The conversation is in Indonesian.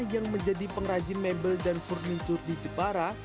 yang menjadi pengrajin mebel dan furniture di jepara